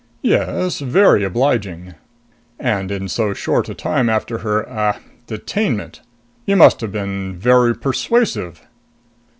"Yes, very obliging." "And in so short a time after her, ah, detainment. You must have been very persuasive?"